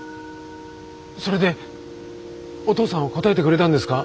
それでお父さんは答えてくれたんですか？